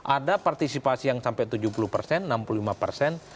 ada partisipasi yang sampai tujuh puluh persen enam puluh lima persen